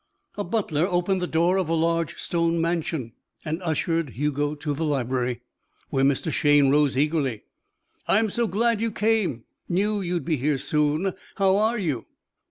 A butler opened the door of a large stone mansion and ushered Hugo to the library, where Mr. Shayne rose eagerly. "I'm so glad you came. Knew you'd be here soon. How are you?"